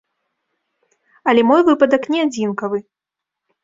Але мой выпадак не адзінкавы.